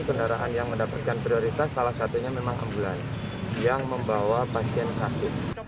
kendaraan yang mendapatkan prioritas salah satunya memang ambulans yang membawa pasien sakit